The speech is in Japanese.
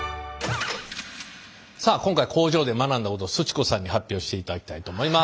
さあ今回工場で学んだことをすち子さんに発表していただきたいと思います。